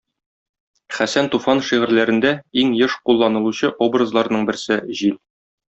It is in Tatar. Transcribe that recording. Хәсән Туфан шигырьләрендә иң еш кулланылучы образларның берсе - җил.